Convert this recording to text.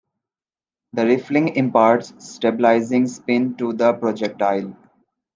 The rifling imparts stabilizing spin to the projectile.